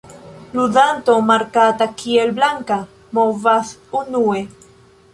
La ludanto markata kiel "blanka" movas unue.